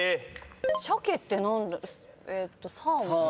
鮭って何えっと「サーモン」？